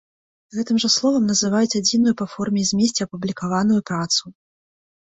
Гэтым жа словам называюць адзіную па форме і змесце апублікаваную працу.